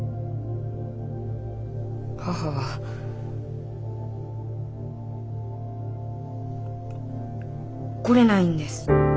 母は来れないんです。